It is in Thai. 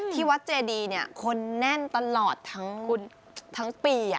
ที่วัดเจดีคนแน่นตลอดทั้งปี